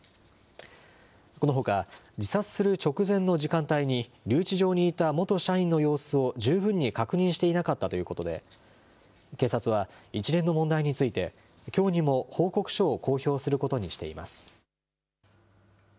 このほか、自殺する直前の時間帯に留置場にいた元社員の様子を十分に確認していなかったということで、警察は一連の問題について、きょうにも報告書を公表することにしています。